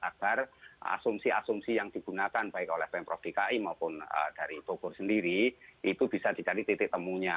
agar asumsi asumsi yang digunakan baik oleh pemprov dki maupun dari bogor sendiri itu bisa dicari titik temunya